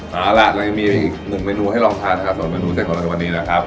เอาล่ะเรายังมีอีกหนึ่งเมนูให้ลองทานครับส่วนเมนูเส้นของเราในวันนี้นะครับ